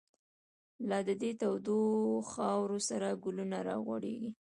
لاددی دتودوخاورو، سره ګلونه راغوړیږی